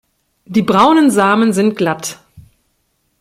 Die braunen Samen sind glatt.